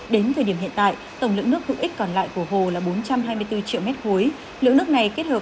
đến thời điểm hiện tại tổng lượng nước hữu ích còn lại của hồ là bốn trăm hai mươi bốn triệu m ba